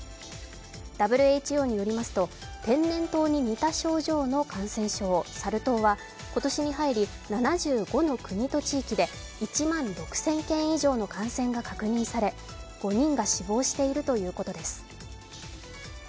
ＷＨＯによりますと天然痘に似た症状の感染症・サル痘は今年に入り７５の国と地域で１万６０００件以上の感染が確認され５人が死亡しているということです